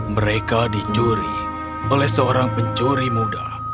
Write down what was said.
mereka dicuri oleh seorang pencuri muda